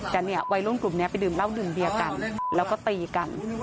แต่เนี่ยวัยรุ่นกลุ่มนี้ไปดื่มเหล้าดื่มเบียร์กันแล้วก็ตีกัน